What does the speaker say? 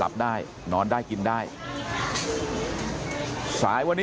ลูกสาวหลายครั้งแล้วว่าไม่ได้คุยกับแจ๊บเลยลองฟังนะคะ